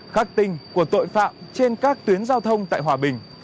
khắc tinh của tội phạm trên các tuyến giao thông tại hòa bình